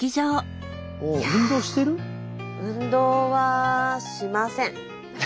運動はしません。